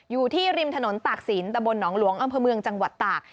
อยู่ที่ริมถนนตากศิลปะบลหนองหลวงอำเภอเมืองจังหวัดตาก